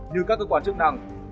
như các cơ quan chức năng